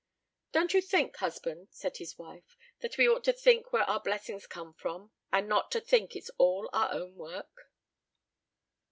"Don't you think, husband," said his wife, "that we ought to think where our blessings come from, and not to think it's all our own work?"